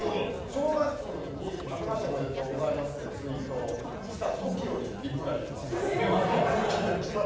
正月にあけましておめでとうございますとツイートしたときよりリプライきました。